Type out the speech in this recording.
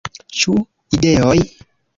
Ĉu ideoj?